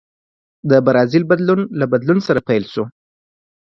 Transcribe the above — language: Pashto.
د برازیل بدلون له بدلون سره پیل شو.